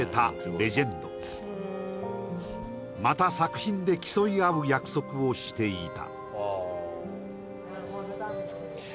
レジェンドまた作品で競いあう約束をしていた